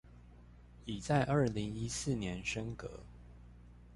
已在二零一四年升格